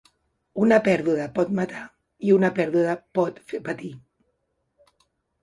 Una perduda pot matar i un perduda pot fer patir.